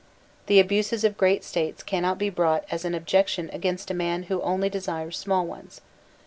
The abuses of great States cannot be brought as an objection against a man who only desires small ones.